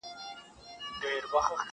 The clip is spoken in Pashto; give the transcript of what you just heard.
ضميرونه لا هم بې قراره دي.